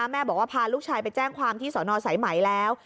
แม่บอกว่าพาลูกชายไปแจ้งความที่สอนอสายไหมแล้ว